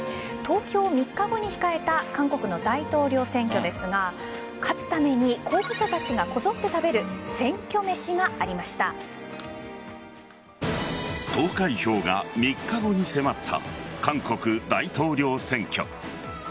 投票を３日後に控えた韓国の大統領選挙ですが勝つために候補者たちがこぞって食べる投開票が３日後に迫った韓国大統領選挙。